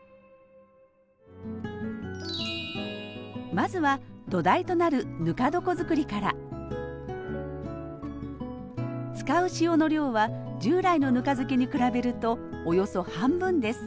まずは土台となるぬか床づくりから使う塩の量は従来のぬか漬けに比べるとおよそ半分です。